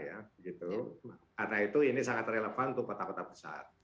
karena itu sangat relevan untuk kota kota besar